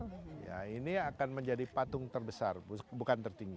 pembicara empat puluh tujuh ya ini akan menjadi patung terbesar bukan tertinggi